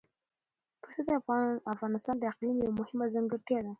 پسه د افغانستان د اقلیم یوه مهمه ځانګړتیا ده.